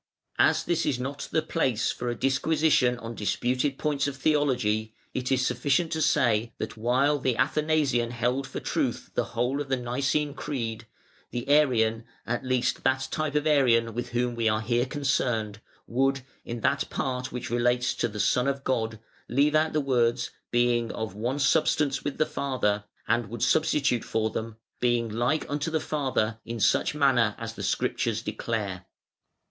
As this is not the place for a disquisition on disputed points of theology, it is sufficient to say that, while the Athanasian held for truth the whole of the Nicene Creed, the Arian at least that type of Arian with whom we are here concerned would, in that part which relates to the Son of God, leave out the words "being of one substance with the Father", and would substitute for them "being like unto the Father in such manner as the Scriptures declare".